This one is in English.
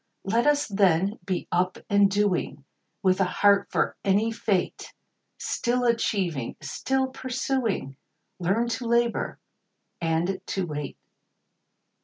Let us, then, be up and doing, With a heart for any fate ; Still achieving, still pursuing, Learn to labor and to wait.